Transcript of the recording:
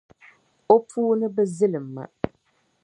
O puuni bi zilima.